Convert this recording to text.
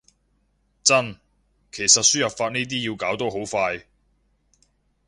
真，其實輸入法呢啲要搞都好快